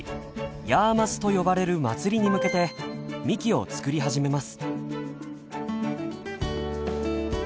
ヤーマスと呼ばれる祭りに向けてみきを作り始めます。